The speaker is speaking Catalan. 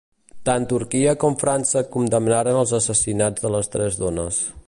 Tant Turquia com França condemnaren els assassinats de les tres dones.